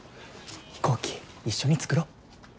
飛行機一緒に作ろ。